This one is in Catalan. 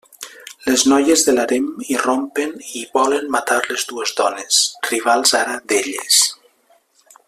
Les noies de l'harem irrompen i volen matar les dues dones, rivals ara d'elles.